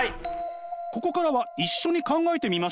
ここからは一緒に考えてみましょう！